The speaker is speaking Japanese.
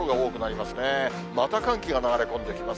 また寒気が流れ込んできます。